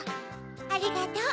ありがとう！